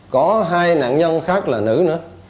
có hai nạn nhân khác là nữ nữa